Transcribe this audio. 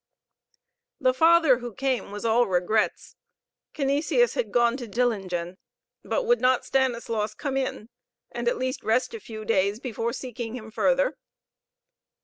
The Father who came was all regrets. Canisius had gone to Dillingen. But would not Stanislaus come in, and at least rest a few days before seeking him further?